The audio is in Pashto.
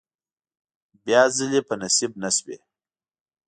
بیا ځلې په نصیب نشوې.